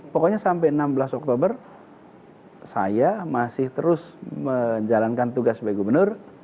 pokoknya sampai enam belas oktober saya masih terus menjalankan tugas sebagai gubernur